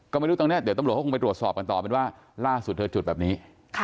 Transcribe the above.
ก็ไม่รู้ตอนนี้เดี๋ยวตำรวจเขาคงไปตรวจสอบกันต่อเป็นว่าล่าสุดเธอจุดแบบนี้